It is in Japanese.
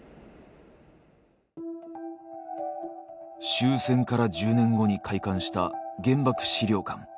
終戦から１０年後に開館した原爆資料館。